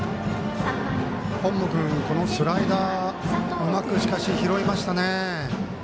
本坊君、このスライダーうまく拾いましたね。